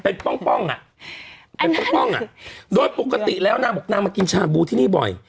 เป็นป้องอ่ะโดยปกติแล้วนางบอกนางมากินชาบูที่นี่บ่อย